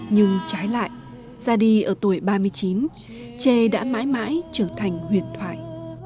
nhưng trái lại ra đi ở tuổi ba mươi chín tre đã mãi mãi trở thành huyền thoại